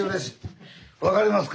分かりますか？